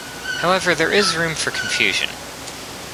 However, there is room for confusion.